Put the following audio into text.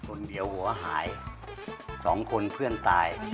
คนเดียวหัวหายสองคนเพื่อนตาย